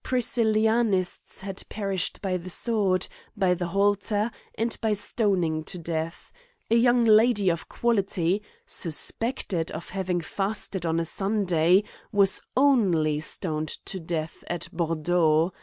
Priscillianibts had pre shed by the sword, by the halter, and by stoning to death : a young lady of quality, suspected^ of having fasted on a sunday, vi^as only stoned to death at Bordeaux.